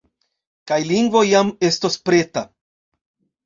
Kaj lingvo jam estos preta.